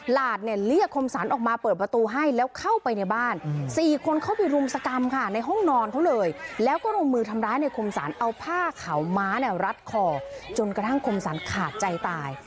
หลานเนี่ยเรียกคมสรรออกมาเปิดประตูให้แล้วเข้าไปในบ้าน๔คนเข้าไปรุมสกรรมค่ะในห้องนอนเขาเลยแล้วก็ลงมือทำร้ายในคมสรรเอาผ้าขาวม้าเนี่ยรัดคอจนกระทั่งคมสรรขาดใจตาย